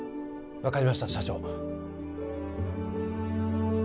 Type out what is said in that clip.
分かりました社長